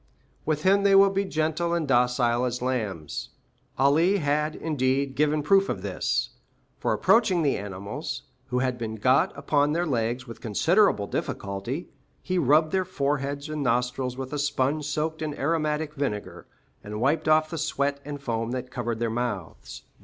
With him they will be gentle and docile as lambs." Ali had, indeed, given proof of this; for, approaching the animals, who had been got upon their legs with considerable difficulty, he rubbed their foreheads and nostrils with a sponge soaked in aromatic vinegar, and wiped off the sweat and foam that covered their mouths.